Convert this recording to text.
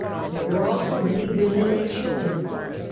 .There were also many women and children.